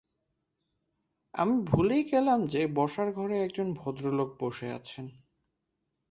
আমি ভুলেই গেলাম যে বসার ঘরে একজন ভদ্রলোক বসে আছেন।